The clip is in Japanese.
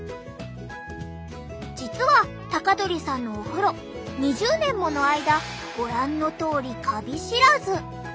実は高鳥さんのお風呂２０年もの間ご覧のとおりカビ知らず。